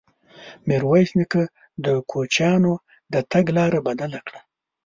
ميرويس نيکه د کوچيانو د تګ لاره بدله کړه.